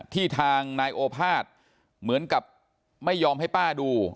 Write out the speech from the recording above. ที่ทางนายโอภาษเหมือนกับไม่ยอมให้ป้าดู